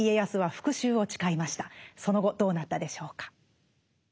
その後どうなったでしょうか？